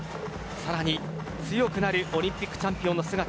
さらに強くなるオリンピックチャンピオンの姿。